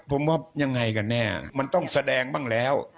ผมว่ายังไงกันแน่มันต้องแสดงบ้างแล้ว